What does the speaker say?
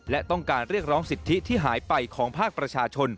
และต้องการเรียกร้องสิทธิที่หายไปของภาคประชาชน